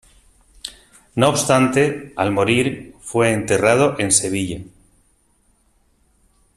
No obstante, al morir, fue enterrado en Sevilla.